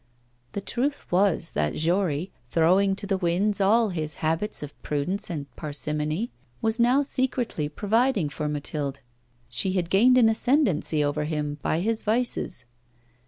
The truth was that Jory, throwing to the winds all his habits of prudence and parsimony, was now secretly providing for Mathilde. She had gained an ascendency over him by his vices.